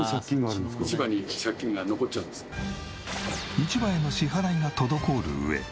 市場への支払いが滞る上